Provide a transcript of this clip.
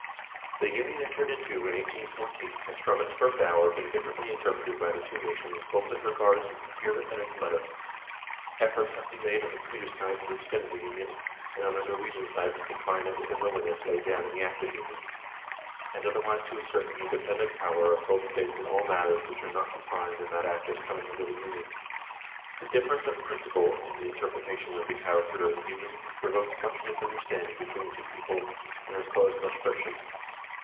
"The Union entered into in 1814 has from its first hour been differently interpreted by the two nations both as regards its spirit and its letter. Efforts have been made on the Swedish side to extend the Union ; and on the Norwegian side to confine it within the limits laid down in the Act of Union, and otherwise to assert the independent power of both States in all matters which are not confined in that Act as coming under the Union. The difference of principle in the interpretation of the character of the Union has provoked much misunderstanding between the two peoples, and has caused much friction.